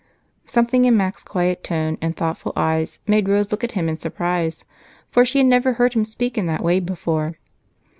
Something in Mac's quiet tone and thoughtful eyes made Rose look at him in surprise, for she had never heard him speak in that way before.